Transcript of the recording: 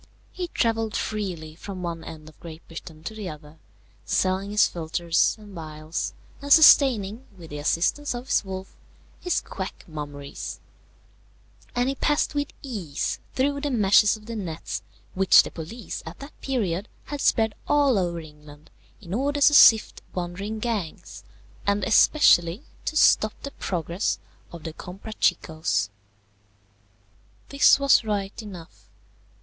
He travelled freely from one end of Great Britain to the other, selling his philtres and phials, and sustaining, with the assistance of his wolf, his quack mummeries; and he passed with ease through the meshes of the nets which the police at that period had spread all over England in order to sift wandering gangs, and especially to stop the progress of the Comprachicos. This was right enough.